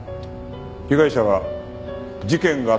被害者は事件があった